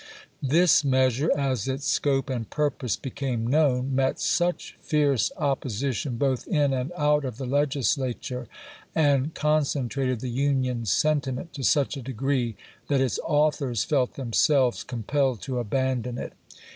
This measure, as its scope and purpose became known, met such fierce opposition both in and out of the Legislature, and concen trated the Union sentiment to such a degree that its authors felt themselves compelled to abandon it.